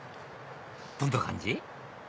どんな感じ？